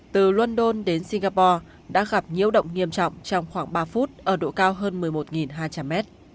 từ london đến singapore đã gặp nhiễu động nghiêm trọng trong khoảng ba phút ở độ cao hơn một mươi một hai trăm linh mét